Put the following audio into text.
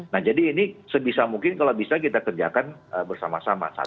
nah jadi ini sebisa mungkin kalau bisa kita kerjakan bersama sama